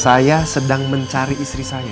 saya sedang mencari istri saya